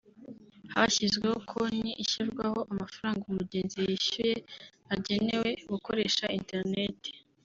hashyizweho konti ishyirwaho amafaranga umugenzi yishyuye agenewe gukoresha interineti